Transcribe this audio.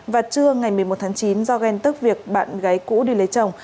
và trưa ngày một mươi một tháng chín do ghen tức việc bạn gái cũ đi lấy chồng